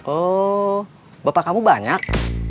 oh bapak kamu banyak